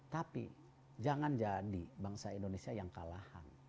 tapi jangan jadi bangsa indonesia yang kalahan